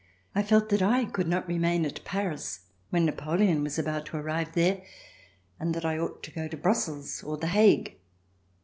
I felt that I could not remain at Paris when Napoleon was about to arrive there and that I ought to go to Brussels or The Hague.'